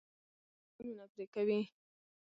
وسله بدنونه پرې کوي